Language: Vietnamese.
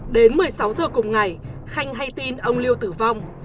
đến một mươi sáu giờ cùng ngày khanh hay tin ông lưu tử vong